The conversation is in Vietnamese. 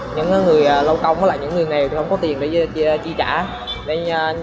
những người lâu công hay những người nghèo không có tiền để chi trả